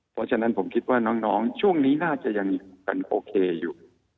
เพราะฉะนั้นผมคิดว่าน้องช่วงนี้น่าจะยังโอเคอยู่